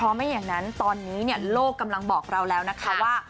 เพราะไม่อย่างนั้นตอนนี้โลกกำลังบอกเราแล้วนะคะว่า